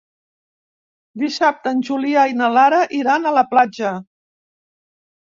Dissabte en Julià i na Lara iran a la platja.